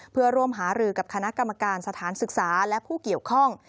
เพื่อร่วมหารือกับคณะกรรมการสถานศึกษาและผู้เกี่ยวข้อง